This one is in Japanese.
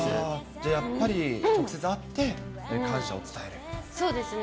じゃあやっぱり、直接会って、そうですね。